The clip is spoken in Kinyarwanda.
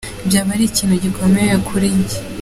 "Byaba ari ikintu gikomeye kuri jye.